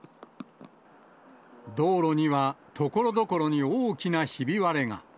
道路には、ところどころに大きなひび割れが。